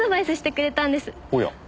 おや。